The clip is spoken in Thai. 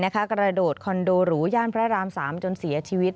กระโดดคอนโดหรูย่านพระราม๓จนเสียชีวิต